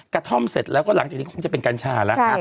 กระท่อมเสร็จแล้วก็หลังจากนี้คงจะเป็นกัญชาแล้ว